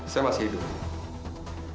saya masih hidup